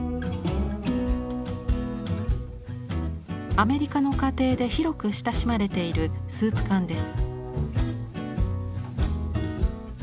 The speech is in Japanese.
アメリカの家庭で広く親しまれているスープ缶です。